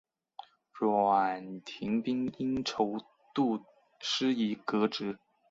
阮廷宾因筹度失宜革职。